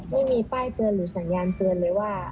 ไม่มีป้ายเตือนหรือสัญญาณเตือนเลยว่า